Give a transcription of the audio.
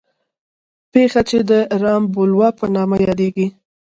پېښه چې د رام بلوا په نامه یادېږي.